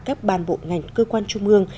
các ban bộ ngành cơ quan trung mương